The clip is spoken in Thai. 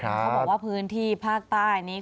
เขาบอกว่าพื้นที่ภาคใต้นี้